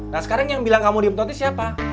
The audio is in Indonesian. nah sekarang yang bilang kamu dihipnotis siapa